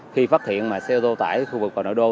khi phát hiện xe ô tô tải khu vực vào nội đô